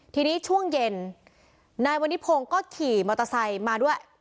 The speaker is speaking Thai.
ทีนี้ช่วงเย็นนายวนิพงศ์ก็ขี่มอเตอร์ไซค์มาด้วย